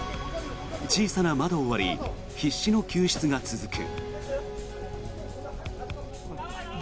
小さな窓を割り必死の救出が続く。